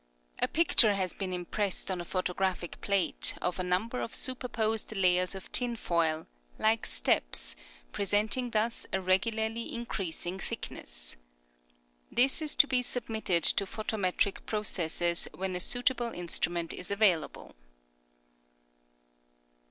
A picture has been impressed on a photo graphic plate of a number of superposed layers of tinfoil, like steps, presenting thus a regularly increasing thickness. This is to be submitted to photometric processes when a suitable instrument is available.